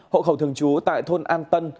hộ khẩu thường trú tại thôn an tân